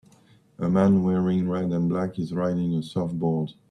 A man wearing red and black is riding a surfboard.